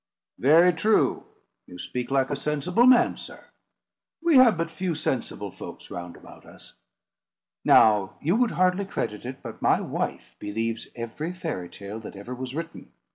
"Very true! you speak like a sensible man, sir. We have but few sensible folks round about us. Now, you would hardly credit it, but my wife believes every fairy tale that ever was written.